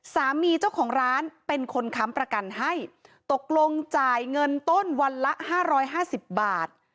สามีเจ้าของร้านเป็นคนค้ำประกันให้ตกลงจ่ายเงินต้นวันละห้าร้อยห้าสิบบาท